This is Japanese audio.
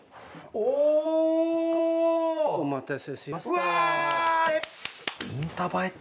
お待たせしました。